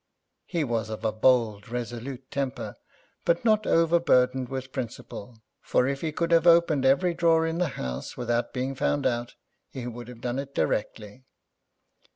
He was of a bold, resolute temper, but not overburdened with principle; for if he could have opened every drawer in the house, without being found out he would have done it directly.